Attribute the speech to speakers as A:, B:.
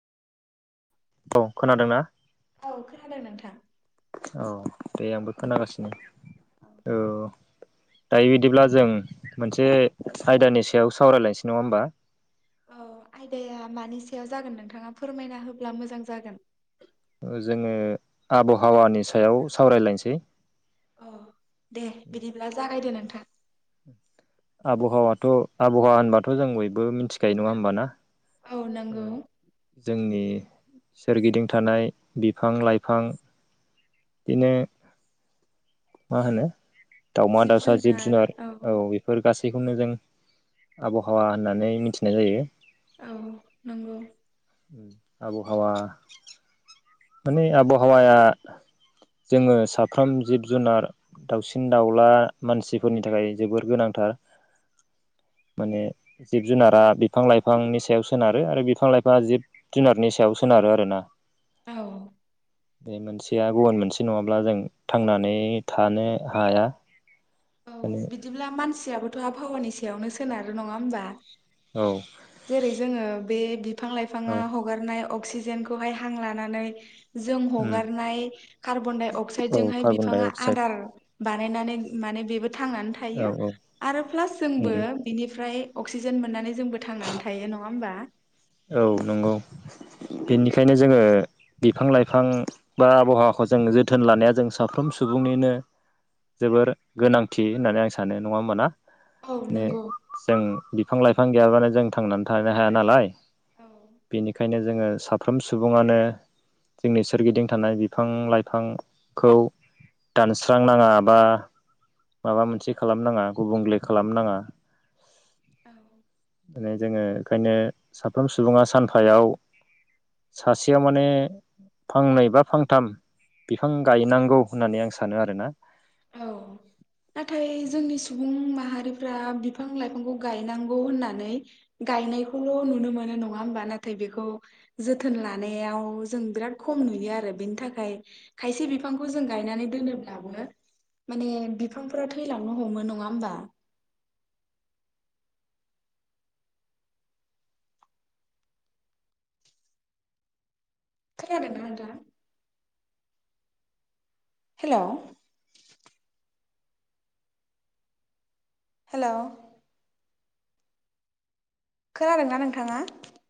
A: औ खोनादोंना?
B: औ खोनादों नोंथां।
A: औ दे आंबो खोनागासिनो। औ दायो बिदिब्ला जों मोनसे आयदानि सायाव सावरायलायनोसै नङा होमबा?
B: औ आयदाया मानि सायाव जागोन नोंथाङा फोरमायना होब्ला मोजां जागोन।
A: जोङो आबहावानि सायाव सावरायलायनोसै।
B: अ दे बिदिब्ला जागायदो नोंथां।
A: आबहावाथ' आबहावा होनबाथ' जों बयबो मिथिखायो नङा होमबा ना?
B: औ नोंगौ।
A: जोंनि सोरगिदिं थानाय बिफां लाइफां बिदिनो मा होनो दाउमा दाउसा जिब जुनार औ बेफोर गासै खौनो जों आबहावा होननानै मिथिनाय जायो।
B: औ नंगौ।
A: ओम आबहावा माने आबहावाया जोङो साफ्रोम जिब जुनार, दाउसिन दाउला, मानसिफोरनि थाखाय जोबोर गोनांथार। माने जिब जुनारा बिफां लाइफांनि सायाव सोनारो आरो बिफां लाइफाङा जिब जुनारनि सायाव सोनारो आरोना।
B: औ
A: बे मोनसेया गुबुन मोनसे नङाब्ला जों थांनानै थानो हाया।
B: औ
A: माने
B: बिदिब्ला मानसियाबो थ' आबहावानि सायावनो सोनारो नङा होमबा?
A: औ
B: जेरै जोङो बे बिफां लाइफाङा
A: औ
B: हगारनाय अक्सिजेनखौहाय हां लानानै जों
A: उम
B: हगारनाय कार्बन डाइ
A: औ
B: अक्साइदजोंहाय
A: कार्बन डाइ
B: बिफाङा
A: अक्साइड
B: आदार बानायनानै माने बेबो थांनानै
A: औ
B: थायो
A: औ
B: आरो प्लास जोंबो
A: उम
B: बिनिफ्राय अक्सिजेन मोननानै जोंबो थांनानै थायो नङा होमबा?
A: औ नंगौ बेनिखायनो जोङो बिफां लाइफां बा आबहावाखौ जों जोथोन लानाया जों साफ्रोम सुबुंनिनो जोबोर गोनांथि होननानै आं सानो नङा होमबा ना?
B: औ
A: दिनो
B: नंगौ
A: जों बि फां लाइफां गैयाब्लानो जों थांनानै थानो हाया नालाय
B: औ
A: बेनिखायनो जोङो साफ्रोम सुबुङानो जोंनि सोरगिदिं थानाय बिफां लाइफांखौ दानस्रांनाङा बा माबा मोनसे खालामनाङा गुबुंले खालामनाङा।
B: औ
A: [unintelligible] जोङो ओंखायनो साफ्रोम सुबुङा सानफायाव सासेयाव माने फांनै बा फांथाम बिफां गायनांगौ होननानै आं सानो आरोना।
B: औ नाथाय जोंनि सुबुं माहारिफ्रा बिफां लाइफांखौ गायनांगौ होननानै गायनायखौल' नुनो मोनो नङा ओमबा नाथाय बेखौ जोथोन लानायाव जों बिराद खम नुयो आरो बेनि थाखाय खायसे बिफांखौ जों गायनानै दोनोब्लाबो माने बिफांफोरा थैलांनो हमो नङा ओमबा? खोनादों ना नोंथां? हेलौ हेलौ खोनादोंना नोंथाङा?